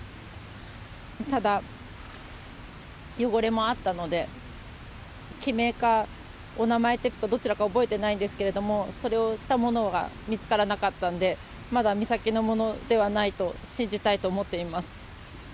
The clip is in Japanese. ただ、汚れもあったので、記名かお名前テープかどちらか覚えていないんですけども、それをしたものが見つからなかったんで、まだ美咲のものではないと信じたいと思っています。